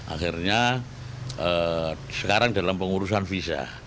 akhirnya sekarang dalam pengurusan visa